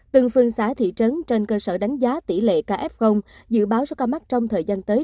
từng phương xá thị trấn trên cơ sở đánh giá tỷ lệ ca f dự báo sẽ ca mắc trong thời gian tới